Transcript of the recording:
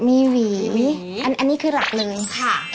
มีหวีอันนี้คือหลักเลยค่ะ